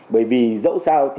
bởi vì dẫu sao